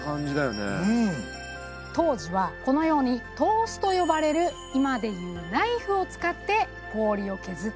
当時はこのように刀子と呼ばれる今で言うナイフを使って氷を削っていたそうなんです。